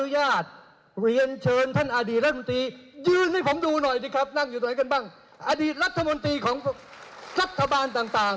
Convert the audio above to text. อย่าเพิ่งนั่งนะครับอย่าเพิ่งนั่ง